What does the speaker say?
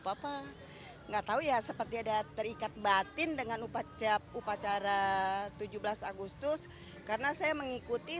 papa nggak tahu ya seperti ada terikat batin dengan upacara upacara tujuh belas agustus karena saya mengikuti